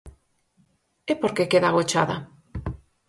¿E por que queda agochada?